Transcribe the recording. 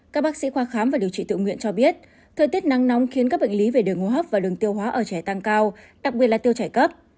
các bác sĩ khoa khám và điều trị tự nguyện cho biết thời tiết nắng nóng khiến các bệnh lý về đường hô hấp và đường tiêu hóa ở trẻ tăng cao đặc biệt là tiêu chảy cấp